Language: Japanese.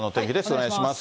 お願いします。